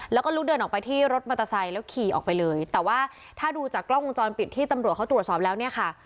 แล้วก็ลุกเดินออกไปที่รถมอเตอร์ไซค์แล้วขี่ออกไปเลยแต่ว่าถ้าดูจากกล้องวงจรปิดที่ตำรวจเขาตรวจสอบแล้วเนี่ยค่ะ